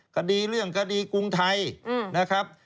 คดีเรื่องคดีกรุงไทยนะครับ